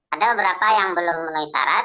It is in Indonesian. ada beberapa yang belum menuhi syarat